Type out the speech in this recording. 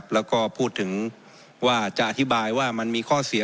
แล้วก็พูดถึงว่าจะอธิบายว่ามันมีข้อเสีย